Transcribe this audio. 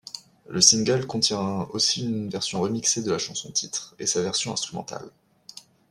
Le single contient aussi une version remixée de la chanson-titre, et sa version instrumentale.